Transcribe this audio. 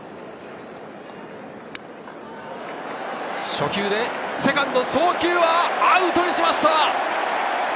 初球、セカンド、送球はアウトにしました！